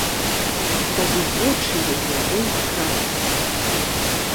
Тады вочы яе заіскрацца.